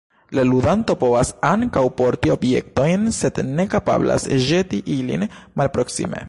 La ludanto povas ankaŭ porti objektojn, sed ne kapablas ĵeti ilin malproksime.